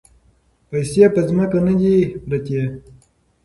پیسې په ځمکه نه دي پرتې.